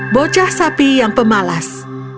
bocah sapi yang pemalas